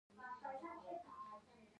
زمرد د افغانستان د طبعي سیسټم توازن ساتي.